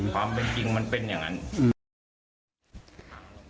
ความเป็นจริงมันเป็นอย่างนั้น